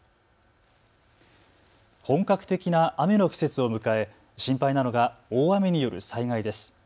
本格的な雨の季節を迎え心配なのが大雨による災害です。